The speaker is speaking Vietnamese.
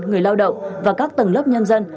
người lao động và các tầng lớp nhân dân